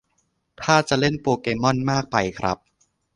ท่าจะเล่นโปเกม่อนมากไปครับ